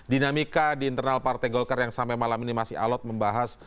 dinamika di internal partai golkar yang sampai malam ini masih alot membahas